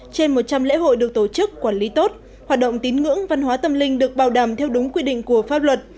trên một trăm linh lễ hội được tổ chức quản lý tốt hoạt động tín ngưỡng văn hóa tâm linh được bảo đảm theo đúng quy định của pháp luật